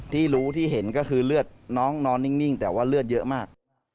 ที่รู้ที่เห็นก็คือเลือดน้องนอนนิ่งแต่ว่าเลือดเยอะมาก